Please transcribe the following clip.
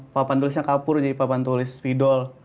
papan tulisnya kapur jadi papan tulis pidol